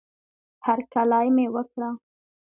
هرکلی مې وکړه